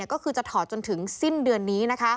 ก็คือจะถอดจนถึงสิ้นเดือนนี้